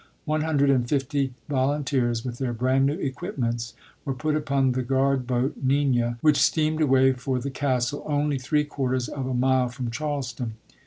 One hundred and fifty volunteers with their brand new equipments were put upon the guard boat Nina which steamed away for the Castle, only three quarters of a mile from Charleston.